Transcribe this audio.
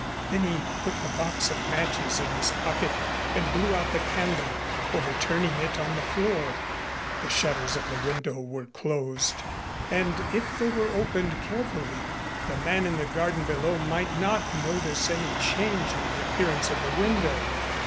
Then he put the box of matches in his pocket and blew out the candle, overturning it on the floor. The shutters of the window were closed, and if they were opened carefully the man in the garden below might not notice any change in the appearance of the window.